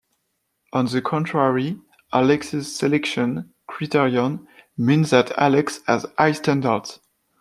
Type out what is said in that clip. On the contrary, Alex's selection criterion means that Alex has high standards.